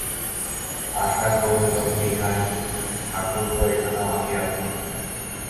আশা কহিল, বিহারী-ঠাকুরপো এখানেও আসিয়াছেন।